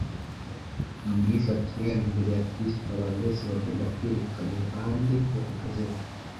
Mu myifatire yabo imbere ya Kristo, abantu bose bagomba kwerekana uruhande bahagazemo